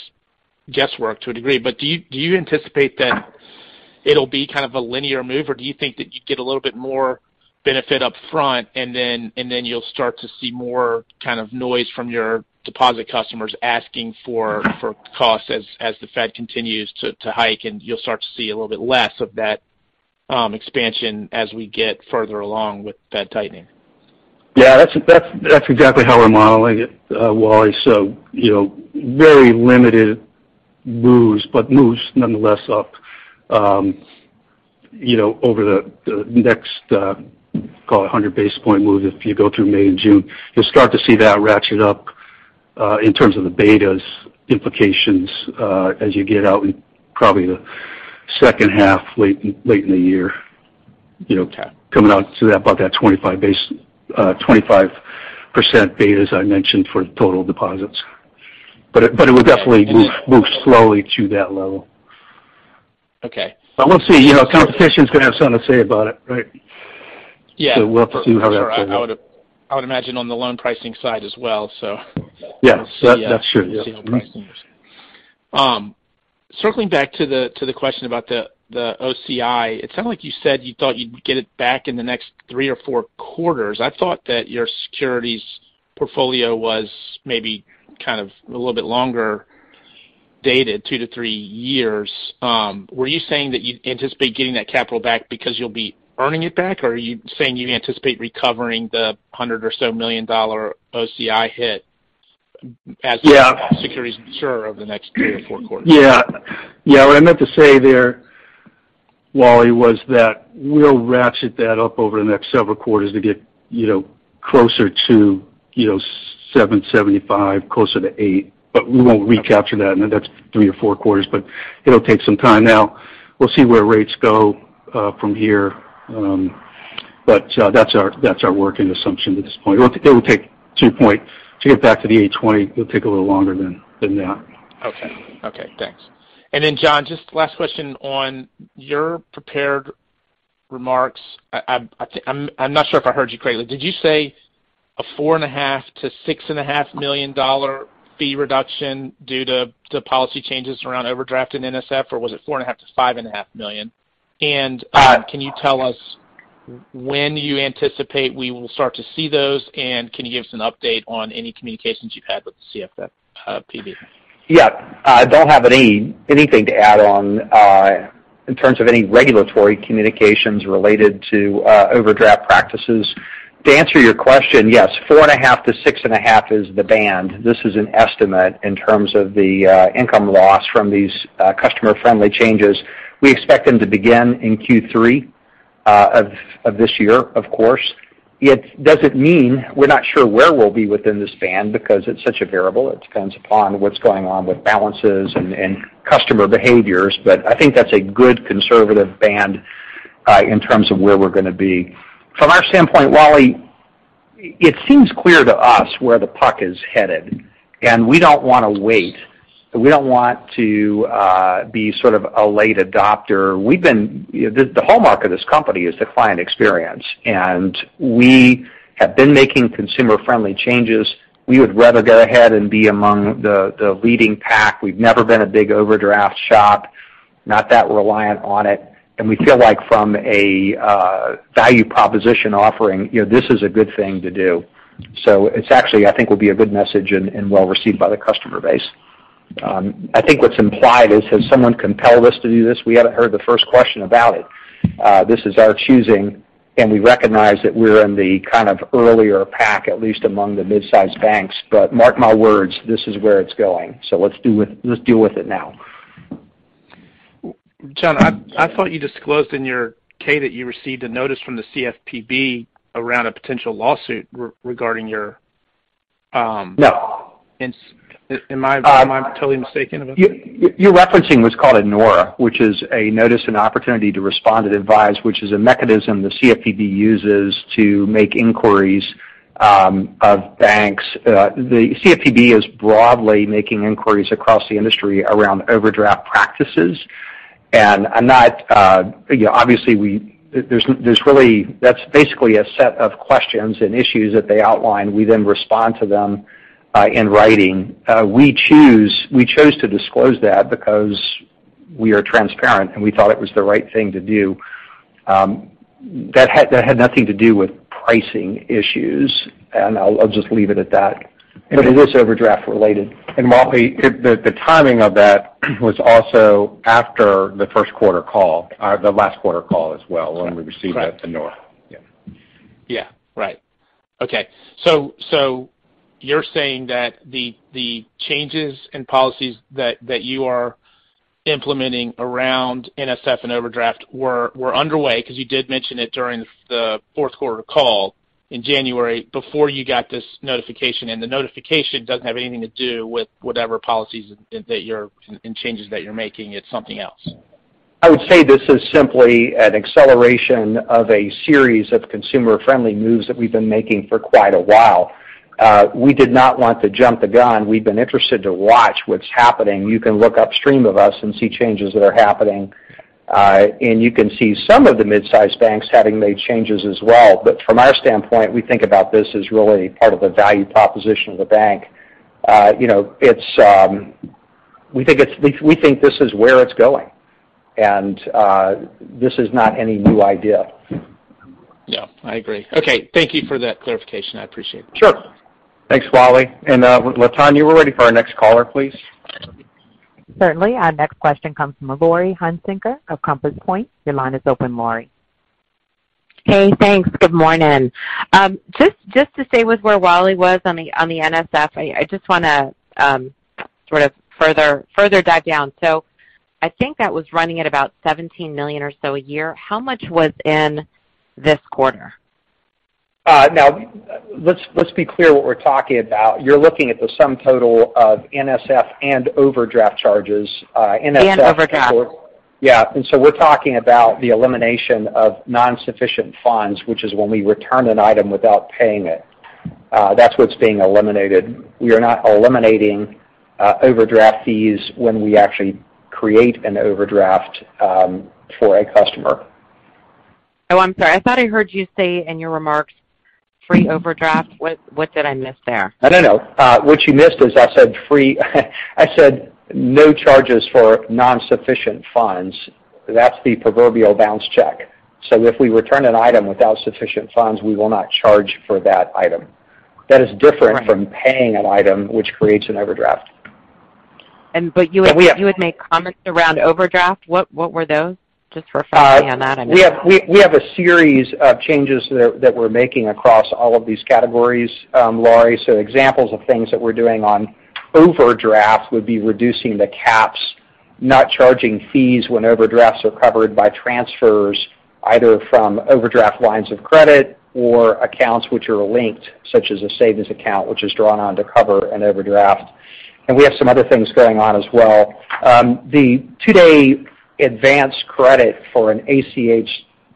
guesswork to a degree, but do you anticipate that it'll be kind of a linear move, or do you think that you get a little bit more benefit up front and then you'll start to see more kind of noise from your deposit customers asking for costs as the Fed continues to hike, and you'll start to see a little bit less of that expansion as we get further along with Fed tightening? Yeah, that's exactly how we're modeling it, Wally. You know, very limited moves, but moves nonetheless up, you know, over the next, call it 100 basis point moves if you go through May and June. You'll start to see that ratchet up, in terms of the betas implications, as you get out in probably the second half, late in the year. Okay. You know, coming out to that, about that 25% betas I mentioned for the total deposits. It would definitely move slowly to that level. Okay. We'll see. You know, competition's gonna have something to say about it, right? Yeah. We'll have to see how that plays out. I would imagine on the loan pricing side as well, so. Yeah. That, that's true. Yeah. We'll see. Mm-hmm. Circling back to the question about the AOCI, it sounded like you said you thought you'd get it back in the next three or four quarters. I thought that your securities portfolio was maybe kind of a little bit longer dated, two to three years. Were you saying that you anticipate getting that capital back because you'll be earning it back, or are you saying you anticipate recovering the $100 million or so AOCI hit as- Yeah. The securities mature over the next three to four quarters? Yeah. What I meant to say there, Wally, was that we'll ratchet that up over the next several quarters to get, you know, closer to 7.75%, closer to 8%. We won't recapture that. That's three to four quarters, but it'll take some time. Now we'll see where rates go from here. That's our working assumption at this point. It would take, to your point, to get back to the 8.20%, it'll take a little longer than that. Okay. Okay, thanks. John, just last question on your prepared remarks. I'm not sure if I heard you correctly. Did you say a $4.5 million-$6.5 million fee reduction due to policy changes around overdraft and NSF, or was it $4.5 million-$5.5 million? Can you tell us when you anticipate we will start to see those, and can you give us an update on any communications you've had with the CFPB? Yeah. I don't have anything to add on in terms of any regulatory communications related to overdraft practices. To answer your question, yes, $4.5-$6.5 is the band. This is an estimate in terms of the income loss from these customer friendly changes. We expect them to begin in Q3 of this year, of course. It doesn't mean we're not sure where we'll be within this band because it's such a variable. It depends upon what's going on with balances and customer behaviors. I think that's a good conservative band in terms of where we're gonna be. From our standpoint, Wally, it seems clear to us where the puck is headed, and we don't wanna wait. We don't want to be sort of a late adopter. The hallmark of this company is the client experience, and we have been making consumer-friendly changes. We would rather go ahead and be among the leading pack. We've never been a big overdraft shop, not that reliant on it. We feel like from a value proposition offering, you know, this is a good thing to do. It's actually, I think will be a good message and well received by the customer base. I think what's implied is, has someone compelled us to do this? We haven't heard the first question about it. This is our choosing, and we recognize that we're in the kind of earlier pack, at least among the mid-sized banks. Mark my words, this is where it's going. Let's deal with it now. John, I thought you disclosed in your K that you received a notice from the CFPB around a potential lawsuit regarding your No. Am I totally mistaken about that? You're referencing what's called a NORA, which is a notice and opportunity to respond and advise, which is a mechanism the CFPB uses to make inquiries of banks. The CFPB is broadly making inquiries across the industry around overdraft practices. I'm not, you know. That's basically a set of questions and issues that they outline. We then respond to them in writing. We chose to disclose that because we are transparent, and we thought it was the right thing to do. That had nothing to do with pricing issues, and I'll just leave it at that. It is overdraft related. Wally, the timing of that was also after the first quarter call, the last quarter call as well, when we received that NORA. Yeah. Yeah. You're saying that the changes in policies that you are implementing around NSF and overdraft were underway because you did mention it during the fourth quarter call in January before you got this notification, and the notification doesn't have anything to do with whatever policies and changes that you're making. It's something else. I would say this is simply an acceleration of a series of consumer friendly moves that we've been making for quite a while. We did not want to jump the gun. We've been interested to watch what's happening. You can look upstream of us and see changes that are happening. You can see some of the mid-sized banks having made changes as well. From our standpoint, we think about this as really part of the value proposition of the bank. You know, we think this is where it's going, and this is not any new idea. Yeah. I agree. Okay. Thank you for that clarification. I appreciate it. Sure. Thanks, Wally. Latonya, we're ready for our next caller, please. Certainly. Our next question comes from Laurie Hunsicker of Compass Point. Your line is open, Laurie. Hey, thanks. Good morning. Just to stay with where Wally was on the NSF, I just wanna sort of further dive down. I think that was running at about $17 million or so a year. How much was in this quarter? Now let's be clear what we're talking about. You're looking at the sum total of NSF and overdraft charges. Overdraft. Yeah. We're talking about the elimination of non-sufficient funds, which is when we return an item without paying it. That's what's being eliminated. We are not eliminating overdraft fees when we actually create an overdraft for a customer. Oh, I'm sorry. I thought I heard you say in your remarks free overdraft. What did I miss there? No, no. What you missed is I said no charges for non-sufficient funds. That's the proverbial bounced check. If we return an item without sufficient funds, we will not charge for that item. That is different from paying an item which creates an overdraft. And but you would- And we have- You would make comments around overdraft. What were those? Just refreshing on that. I missed that. We have a series of changes that we're making across all of these categories, Laurie. Examples of things that we're doing on overdraft would be reducing the caps, not charging fees when overdrafts are covered by transfers either from overdraft lines of credit or accounts which are linked, such as a savings account, which is drawn on to cover an overdraft. We have some other things going on as well. The two-day advance credit for an ACH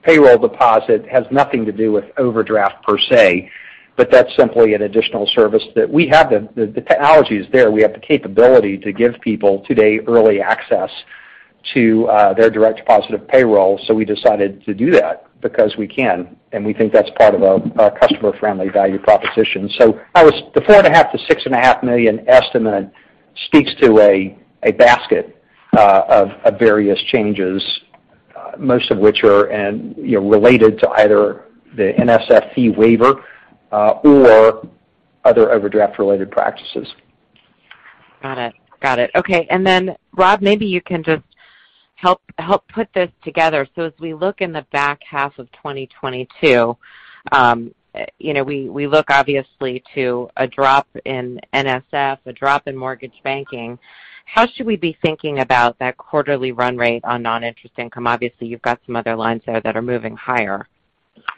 payroll deposit has nothing to do with overdraft per se, but that's simply an additional service that we have. The technology is there. We have the capability to give people today early access to their direct deposit of payroll, so we decided to do that because we can, and we think that's part of our customer friendly value proposition. The $4.5 million-$6.5 million estimate Speaks to a basket of various changes, most of which are, you know, related to either the NSF fee waiver or other overdraft-related practices. Got it. Okay. Rob, maybe you can just help put this together. As we look in the back half of 2022, you know, we look obviously to a drop in NSF, a drop in mortgage banking. How should we be thinking about that quarterly run rate on non-interest income? Obviously, you've got some other lines there that are moving higher.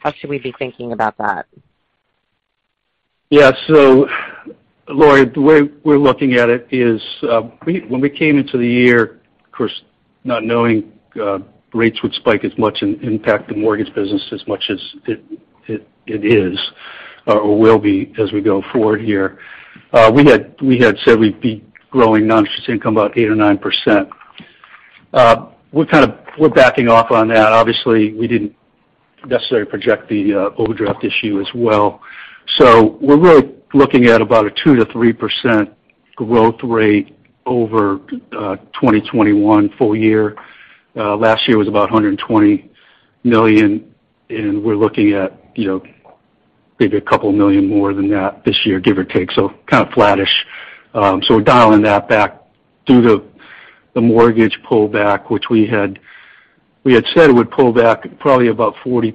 How should we be thinking about that? Yeah. Laurie, the way we're looking at it is, when we came into the year, of course, not knowing rates would spike as much and impact the mortgage business as much as it is or will be as we go forward here, we had said we'd be growing non-interest income about 8% or 9%. We're backing off on that. Obviously, we didn't necessarily project the overdraft issue as well. We're really looking at about a 2%-3% growth rate over 2021 full year. Last year was about $120 million, and we're looking at, you know, maybe a couple million more than that this year, give or take. Kind of flattish. So dialing that back due to the mortgage pullback, which we had said it would pull back probably about 40%.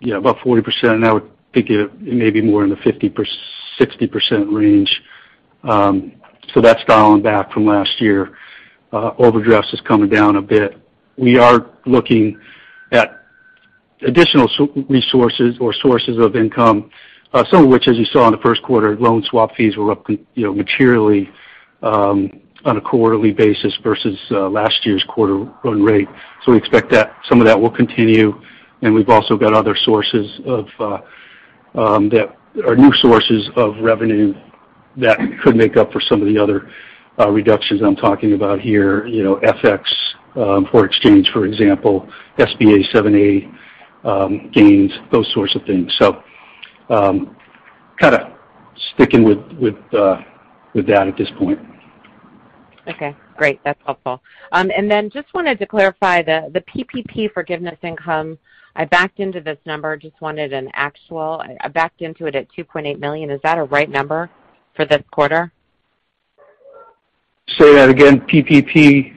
Now I would think it may be more in the 50%-60% range. That's dialing back from last year. Overdrafts is coming down a bit. We are looking at additional sources of income, some of which, as you saw in the first quarter, loan swap fees were up, you know, materially, on a quarterly basis versus last year's quarter run rate. We expect that some of that will continue. We've also got other sources of that are new sources of revenue that could make up for some of the other reductions I'm talking about here. You know, FX, foreign exchange, for example, SBA 7(a), gains, those sorts of things. Kind of sticking with that at this point. Okay, great. That's helpful. Just wanted to clarify the PPP forgiveness income. I backed into it at $2.8 million. Is that a right number for this quarter? Say that again. PPP?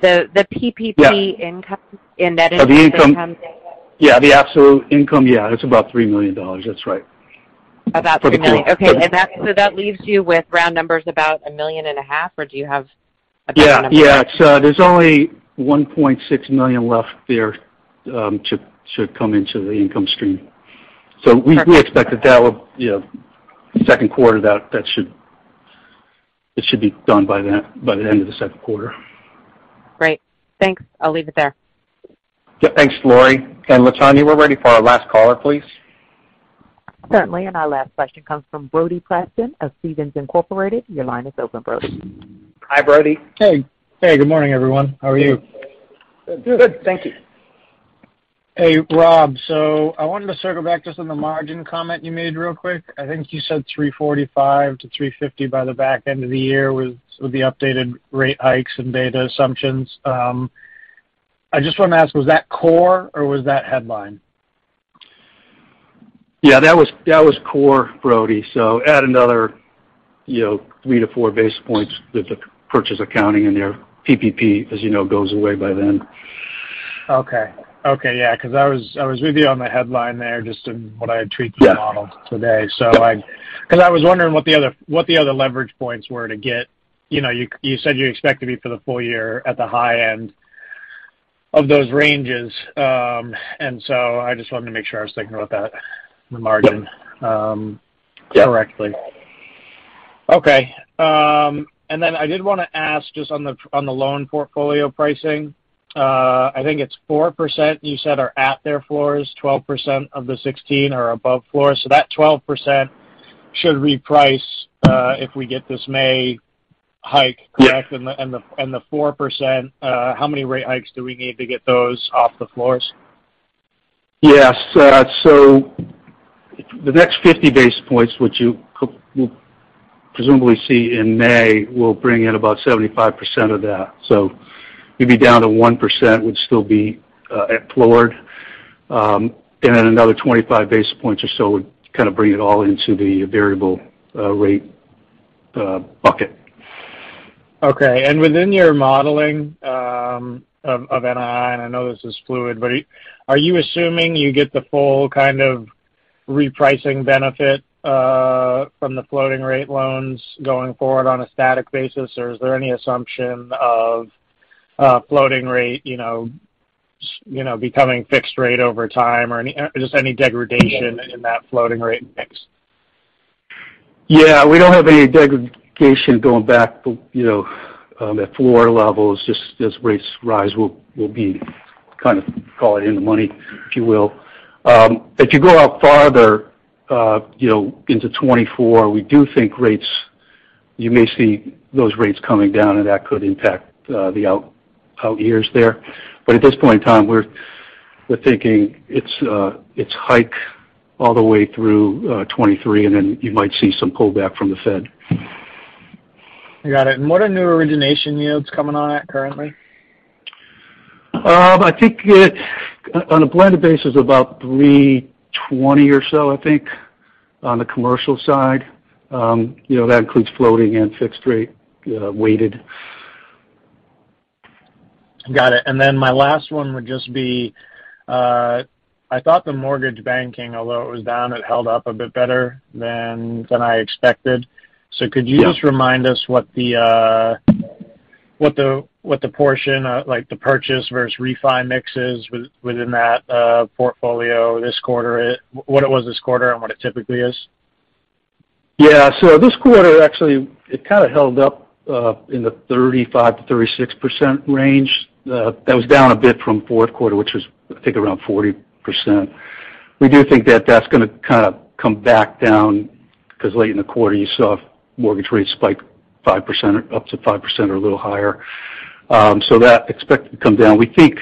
The PPP Yeah. -income, and that is- The income. Yeah, the absolute income. Yeah, it's about $3 million. That's right. About $3 million. For the quarter. Okay. That leaves you with round numbers about $1.5 million, or do you have a better number? Yeah. Yeah. There's only $1.6 million left there to come into the income stream. We- Perfect. We expect that will, you know, second quarter, that should be done by the end of the second quarter. Great. Thanks. I'll leave it there. Yeah. Thanks, Laurie. Latonya, we're ready for our last caller, please. Certainly. Our last question comes from Brody Preston of Stephens Inc. Your line is open, Brody. Hi, Brody. Hey, good morning, everyone. How are you? Good. Good. Thank you. Hey, Rob. I wanted to circle back just on the margin comment you made real quick. I think you said 3.45%-3.50% by the back end of the year with the updated rate hikes and beta assumptions. I just want to ask, was that core or was that headline? Yeah, that was core, Brodie. Add another, you know, three to four basis points with the purchase accounting in there. PPP, as you know, goes away by then. Okay. Yeah, 'cause I was with you on the headline there just in what I had treated. Yeah. the model today. I Yeah. Cause I was wondering what the other leverage points were to get. You know, you said you expect to be for the full year at the high end of those ranges. I just wanted to make sure I was thinking about that, the margin- Yeah. correctly. Yeah. Okay. And then I did wanna ask just on the loan portfolio pricing. I think it's 4% you said are at their floors, 12% of the 16% are above floor. That 12% should reprice if we get this May hike. Yeah. Correct? The 4%, how many rate hikes do we need to get those off the floors? Yes. The next 50 basis points, which you will presumably see in May, will bring in about 75% of that. You'd be down to 1%, would still be at floor. Another 25 basis points or so would kind of bring it all into the variable rate bucket. Okay. Within your modeling of NII, and I know this is fluid, but are you assuming you get the full kind of repricing benefit from the floating rate loans going forward on a static basis? Or is there any assumption of floating rate, you know, becoming fixed rate over time or any degradation in that floating rate mix? Yeah. We don't have any degradation going back, you know, at floor levels. Just rates rise, we'll be kind of calling in the money, if you will. If you go out farther, you know, into 2024, we do think rates you may see those rates coming down, and that could impact the out years there. At this point in time, we're thinking it's hike all the way through 2023, and then you might see some pullback from the Fed. I got it. What are new origination yields coming on at currently? I think on a blended basis, about 3.20 or so, I think, on the commercial side. You know, that includes floating and fixed rate, weighted. Got it. My last one would just be, I thought the mortgage banking, although it was down, it held up a bit better than I expected. Yeah. Could you just remind us what the portion, like the purchase versus refi mixes within that portfolio this quarter, what it was this quarter and what it typically is? This quarter, actually it kinda held up in the 35%-36% range. That was down a bit from fourth quarter, which was I think around 40%. We do think that that's gonna kinda come back down, 'cause late in the quarter you saw mortgage rates spike 5% or up to 5% or a little higher. We expect to come down. We think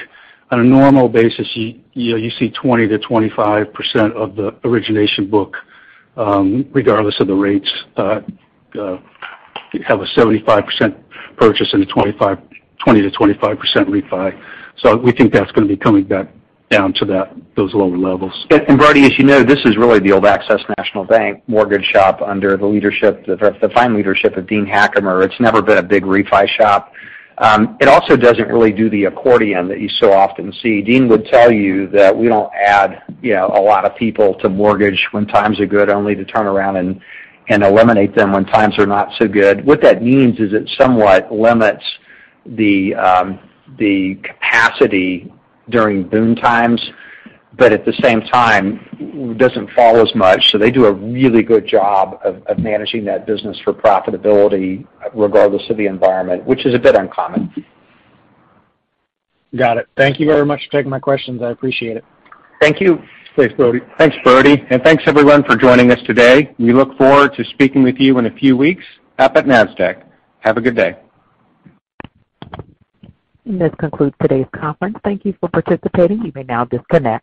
on a normal basis, you know, you see 20%-25% of the origination book, regardless of the rates. You have a 75% purchase and a 25%, 20%-25% refi. We think that's gonna be coming back down to that, those lower levels. Brody, as you know, this is really the old Access National Bank mortgage shop under the fine leadership of Dean Hackemer. It's never been a big refi shop. It also doesn't really do the accordion that you so often see. Dean would tell you that we don't add, you know, a lot of people to mortgage when times are good, only to turn around and eliminate them when times are not so good. What that means is it somewhat limits the capacity during boom times, but at the same time doesn't fall as much. They do a really good job of managing that business for profitability regardless of the environment, which is a bit uncommon. Got it. Thank you very much for taking my questions. I appreciate it. Thank you. Thanks, Brody. Thanks, Brody, and thanks everyone for joining us today. We look forward to speaking with you in a few weeks up at Nasdaq. Have a good day. This concludes today's conference. Thank you for participating. You may now disconnect.